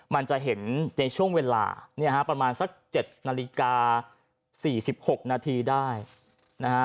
มันจะเห็นในช่วงเวลาเนี่ยฮะประมาณสัก๗นาฬิกา๔๖นาทีได้นะฮะ